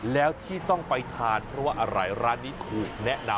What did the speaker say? แล้วที่ต้องไปทานเพราะว่าอะไรร้านนี้ถูกแนะนำ